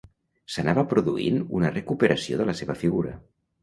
S'anava produint una recuperació de la seva figura.